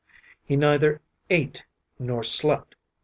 He neither ate nor slept.